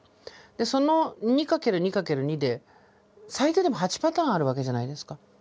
その２×２×２で最低でも８パターンあるわけじゃないですか。